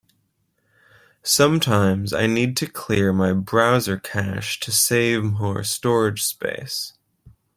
Sometines, I need to clear my browser cache to save more storage space.